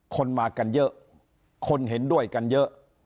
คนมากันเยอะคนเห็นด้วยกันเยอะ